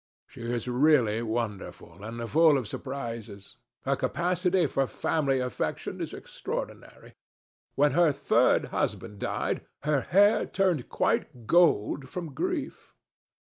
She is really wonderful, and full of surprises. Her capacity for family affection is extraordinary. When her third husband died, her hair turned quite gold from grief."